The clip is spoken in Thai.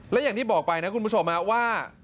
และอย่างที่บอกไปนะคุณผู้ชมว่า